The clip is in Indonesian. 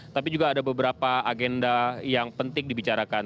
tapi juga ada beberapa agenda yang penting dibicarakan